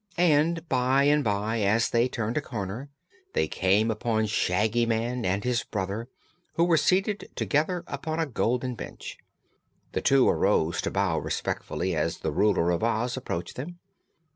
And by and by, as they turned a corner, they came upon Shaggy Man and his brother, who were seated together upon a golden bench. The two arose to bow respectfully as the Ruler of Oz approached them.